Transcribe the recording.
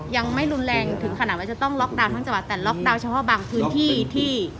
ยังไม่รุนแรงถึงขนาดว่าจะต้องล็อกดาวน์ทั้งจังหวัดแต่ล็อกดาวน์เฉพาะบางพื้นที่ที่